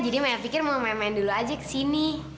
jadi maya pikir mau main main dulu aja kesini